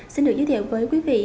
xin được giới thiệu với quý vị